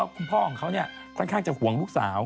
คุณพ่อของเขาค่อนข้างจะห่วงลูกสาว